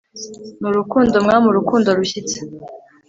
n'urukundo, mwami, urukundo rushyitse